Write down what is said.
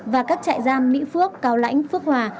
và các trại giam mỹ phước cao lãnh phước hòa